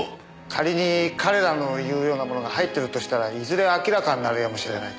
仮に彼らの言うようなものが入ってるとしたらいずれ明らかになるやもしれない。